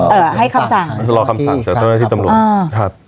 ต้องรอตำรวจให้คำสั่งต้องรอตำรวจ